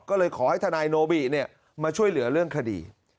ก็เลยขอให้ทนายโนบิมาช่วยเหลือเรื่องคดี